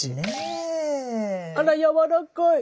あらやわらかい。